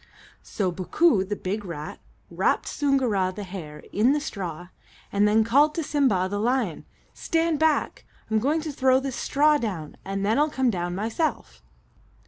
So Bookoo, the big rat, wrapped Soongoora, the hare, in the straw, and then called to Simba, the lion, "Stand back; I'm going to throw this straw down, and then I'll come down myself."